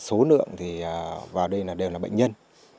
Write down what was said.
số lượng thì vào đây đều là bệnh nhân